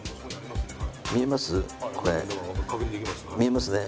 見えますね。